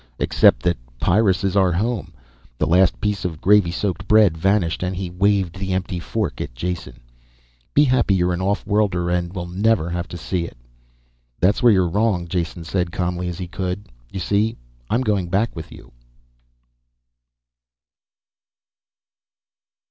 Except that Pyrrus is our home." The last piece of gravy soaked bread vanished and he waved the empty fork at Jason. "Be happy you're an off worlder and will never have to see it." "That's where you're wrong." Jason said as calmly as he could. "You see, I'm going back with you."